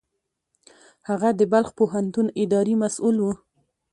هغه د بلخ پوهنتون اداري مسوول و.